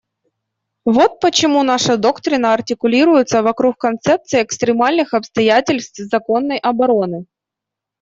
Вот почему наша доктрина артикулируется вокруг концепции экстремальных обстоятельств законной обороны.